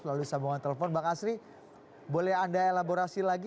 melalui sambungan telepon bang astri boleh anda elaborasi lagi